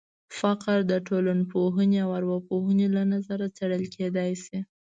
فقر د ټولنپوهنې او ارواپوهنې له نظره څېړل کېدای شي.